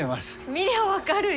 見りゃ分かるよ。